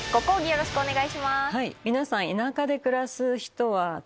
よろしくお願いします。